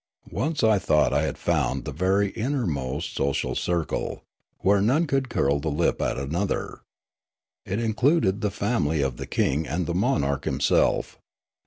Once I thought I had found the very innermost social circle, where none could curl the lip at another. It included the family of the king and the monarch himself.